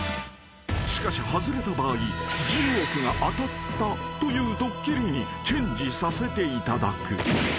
［しかし外れた場合１０億が当たったというドッキリにチェンジさせていただく］